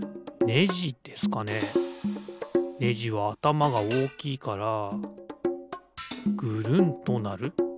ねじはあたまがおおきいからぐるんとなる。